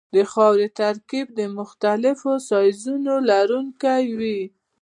د خاورې ترکیب د مختلفو سایزونو لرونکی وي